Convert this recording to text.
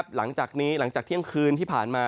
หลังจากเที่ยงคืนที่ผ่านมา